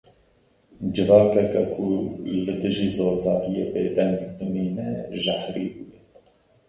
Civakeke ku li dijî zordariyê bêdeng dimîne, jehrî bûye.